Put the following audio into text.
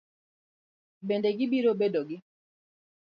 Bende gibiro bedo gi